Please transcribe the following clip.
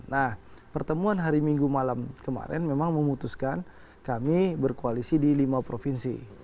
nah pertemuan hari minggu malam kemarin memang memutuskan kami berkoalisi di lima provinsi